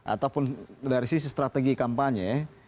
ataupun dari sisi strategi kampanye